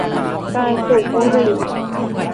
การสูบบุหรี่